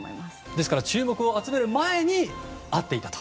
ですから注目を集める前に会っていたと。